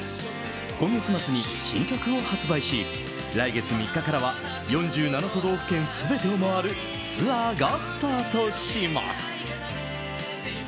今月末に新曲を発売し来月３日からは４７都道府県全てを回るツアーがスタートします。